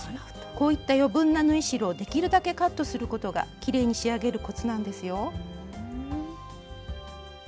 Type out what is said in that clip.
こういった余分な縫い代をできるだけカットすることがきれいに仕上げるコツなんですよ。